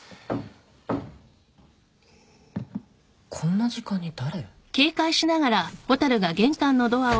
・こんな時間に誰？